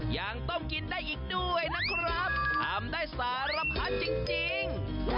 ยังต้มกินได้อีกด้วยนะครับทำได้สารพัดจริง